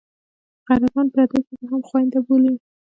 غیرتمند پردۍ ښځه هم خوینده بولي